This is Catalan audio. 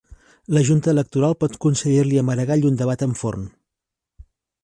La Junta electoral pot concedir-li a Maragall un debat amb Forn